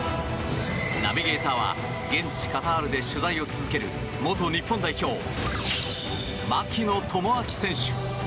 ナビゲーターは現地カタールで取材を続ける元日本代表、槙野智章選手。